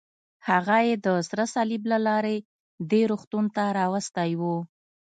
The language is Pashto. هغه یې د سره صلیب له لارې دې روغتون ته راوستی و.